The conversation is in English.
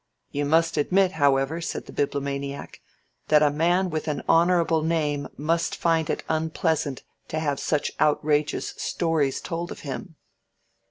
"You must admit, however," said the Bibliomaniac, "that a man with an honorable name must find it unpleasant to have such outrageous stories told of him."